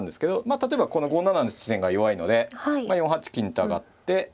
例えばこの５七の地点が弱いので４八金と上がって。